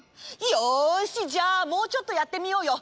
よしじゃあもうちょっとやってみようよ！